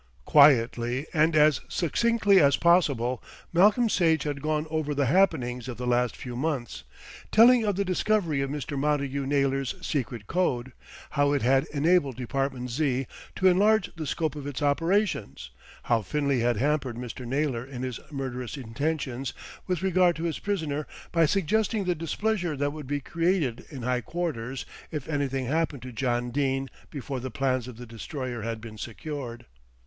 Quietly and as succinctly as possible Malcolm Sage had gone over the happenings of the last few months, telling of the discovery of Mr. Montagu Naylor's secret code, how it had enabled Department Z. to enlarge the scope of its operations, how Finlay had hampered Mr. Naylor in his murderous intentions with regard to his prisoner by suggesting the displeasure that would be created in high quarters, if anything happened to John Dene before the plans of the Destroyer had been secured.